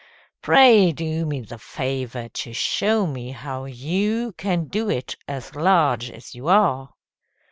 Pray do me the favor to show me how you Can do it, as large as you are."